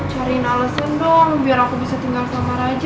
cariin alesen dong biar aku bisa tinggal sama raja